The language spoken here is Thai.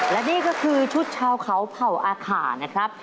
และนี่ก็คือชุดชาวเขาเผ่าอาขานะครับ